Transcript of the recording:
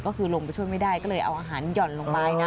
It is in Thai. ก็คือลงไปช่วยไม่ได้ก็เลยเอาอาหารหย่อนลงไปนะ